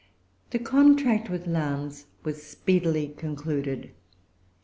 The contract with Lowndes was speedily concluded.